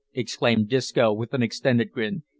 exclaimed Disco, with an extended grin.